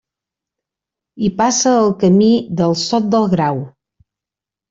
Hi passa el Camí del Sot del Grau.